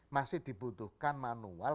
masih dibutuhkan manual